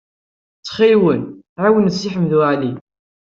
Ttxil-wen, ɛawnem Si Ḥmed Waɛli.